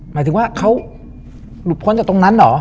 หมายถึงว่าเขาหลุดพ้นจากตรงนั้นเหรอ